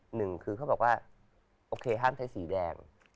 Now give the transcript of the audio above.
หนึ่งคือเขาบอกว่าโอเคห้ามใช้สีแดง